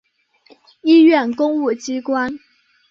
医院公务机关